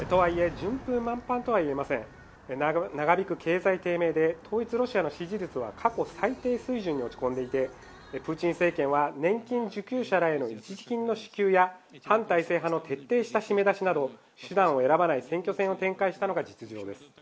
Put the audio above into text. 順風満帆とは言えません長引く経済低迷で統一ロシアの支持率は過去最低水準に落ち込んでいてプーチン政権は年金受給者の一時金の支給や反体制派の徹底した締め出しなど手段を選ばない選挙戦を展開したのが実情です